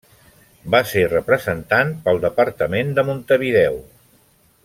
Va ser representant pel departament de Montevideo.